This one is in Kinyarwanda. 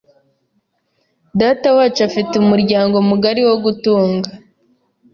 Datawacu afite umuryango mugari wo gutunga.